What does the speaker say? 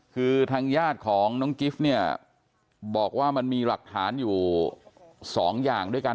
คือทางญาติของน้องกิฟต์เนี่ยบอกว่ามันมีหลักฐานอยู่สองอย่างด้วยกัน